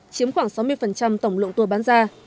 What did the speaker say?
chiếm khoảng sáu mươi tổng lượng tour bán ra